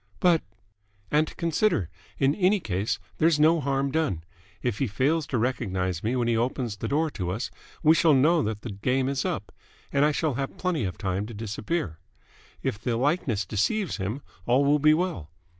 "But ?" "And, consider. In any case, there's no harm done. If he fails to recognise me when he opens the door to us, we shall know that the game is up: and I shall have plenty of time to disappear. If the likeness deceives him, all will be well.